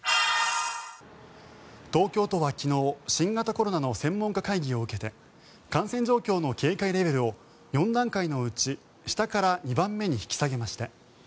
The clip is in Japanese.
東京都は昨日新型コロナの専門家会議を受けて感染状況の警戒レベルを４段階のうち下から２番目に引き下げました。